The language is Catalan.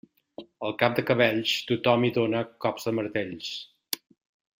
Al cap de cabells tothom hi dóna cops de martells.